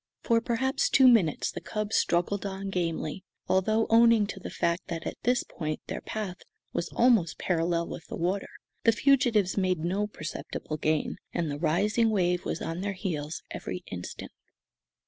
For perhaps two minutes the cub struggled on gamely, although, owing to the fact that at this point their path was almost parallel with the water, the fugitives made no perceptible gain, and the rising wave was on their heels every instant.